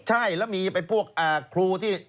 ใช่แล้วมีพวกครูที่